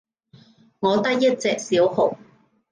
我得一隻小號